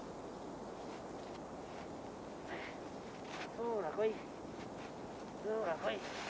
そらほいそらほい。